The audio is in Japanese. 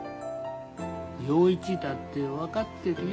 洋一だって分かってるよ。